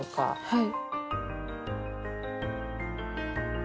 はい。